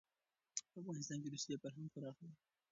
په افغانستان کې روسي فرهنګ پراخه و.